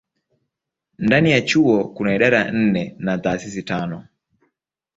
Ndani ya chuo kuna idara nne na taasisi tano.